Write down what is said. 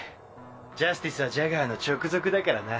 ジャスティスはジャガーの直属だからな。